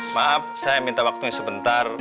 maaf saya minta waktunya sebentar